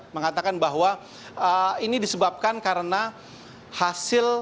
mengatakan bahwa ini disebabkan karena hasil